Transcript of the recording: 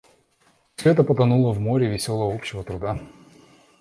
Всё это потонуло в море веселого общего труда.